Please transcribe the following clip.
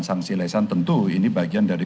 sangsi lesan tentu ini bagian dari